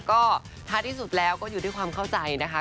ก็ท้ายที่สุดแล้วก็อยู่ด้วยความเข้าใจนะคะ